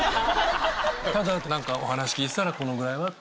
ただ、なんかお話聞いてたら、このぐらいはと。